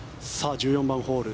１４番ホール